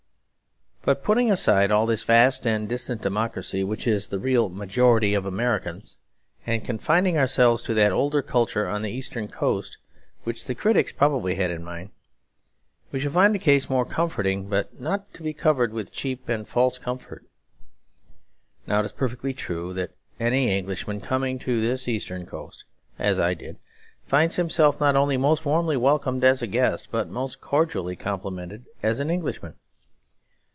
But putting aside all this vast and distant democracy, which is the real 'majority of Americans,' and confining ourselves to that older culture on the eastern coast which the critics probably had in mind, we shall find the case more comforting but not to be covered with cheap and false comfort. Now it is perfectly true that any Englishman coming to this eastern coast, as I did, finds himself not only most warmly welcomed as a guest, but most cordially complimented as an Englishman.